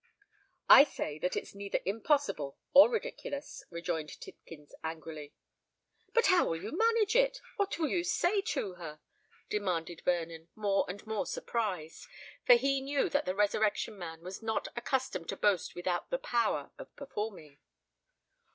"I say that it's neither impossible or ridiculous," rejoined Tidkins, angrily. "But how will you manage it? what will you say to her?" demanded Vernon, more and more surprised; for he knew that the Resurrection Man was not accustomed to boast without the power of performing.